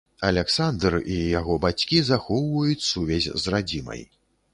Аляксандр і яго бацькі захоўваюць сувязь з радзімай.